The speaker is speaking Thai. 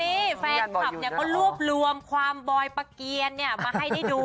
นี่แฟนคลับเนี่ยก็รวบรวมความบอยปะเกียรมาให้ได้ดู